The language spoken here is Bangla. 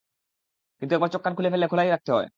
একবার চোখ-কান খুলে ফেললে খোলাই রাখতে হয়।